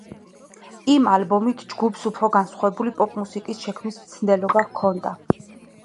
ამ ალბომით ჯგუფს უფრო განსხვავებული პოპ-მუსიკის შექმნის მცდელობა ჰქონდა.